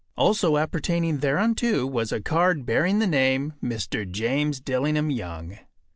Also appertaining thereunto was a card bearing the name “Mr. James Dillingham Young.